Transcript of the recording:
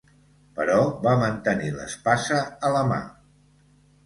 Però va mantenir l'espasa a la mà.